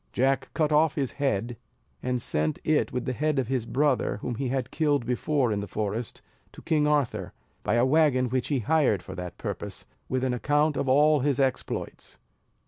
Jack cut off his head, and sent it with the head of his brother, whom he had killed before in the forest, to King Arthur, by a wagon which he hired for that purpose, with an account of all his exploits.